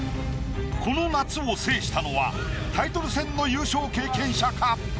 この夏を制したのはタイトル戦の優勝経験者か？